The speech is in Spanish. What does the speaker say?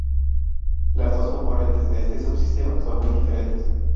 Las dos componentes de este subsistema son muy diferentes.